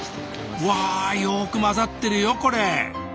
うわよく混ざってるよこれ。